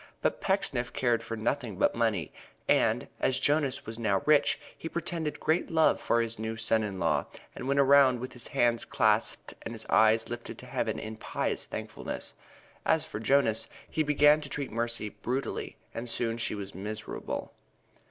But Pecksniff cared for nothing but money, and, as Jonas was now rich, he pretended great love for his new son in law and went around with his hands clasped and his eyes lifted to Heaven in pious thankfulness. As for Jonas, he began to treat Mercy brutally and soon she was miserable.